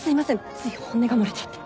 つい本音が漏れちゃって。